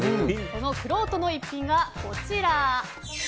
そのくろうとの逸品がこちら。